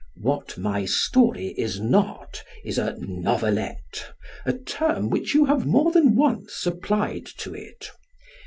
What my story is not is a "novelette" a term which you have more than once applied to it.